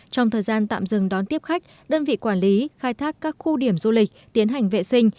trong thời gian tạm dừng đón tiếp khách đơn vị quản lý khai thác các khu điểm du lịch tiến hành vệ sinh